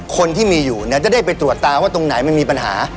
คนที่มีอยู่เนี่ยจะได้ไปตรวจตาว่าตรงไหนมันมีปัญหา